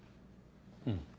うん。